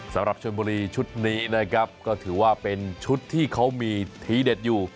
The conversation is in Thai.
สำหรับชนบุรีชุดนี้นะครับก็ถือว่าเป็นชุดที่เขามีทีเด็ดอยู่